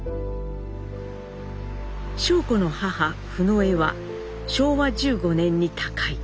尚子の母フノエは昭和１５年に他界。